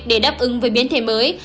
để đáp ứng với biến thể mới